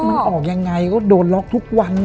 มันออกยังไงก็โดนล็อกทุกวัน